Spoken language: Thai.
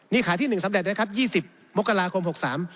นี่ขาที่๑สำเร็จแล้วครับ๒๐มกราคม๖๓